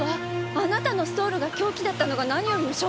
あなたのストールが凶器だったのが何よりの証拠よ。